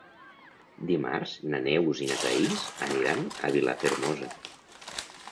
Dimarts na Neus i na Thaís aniran a Vilafermosa.